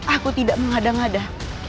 aku tidak mengada ngada